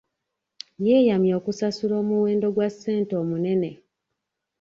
Yeeyamye okusasula omuwendo gwa ssente omunene.